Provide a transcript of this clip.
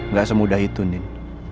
gak semudah itu nin